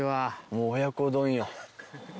もう親子丼よ。